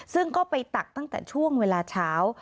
ซึ่งก็ไปตักตั้งแต่ช่วงเวลาเช้า